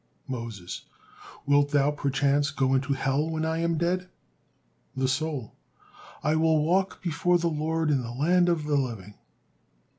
'" Moses: "Wilt thou, perchance, go into Hell when I am dead?" The soul: "I will walk before the Lord in the land of the living."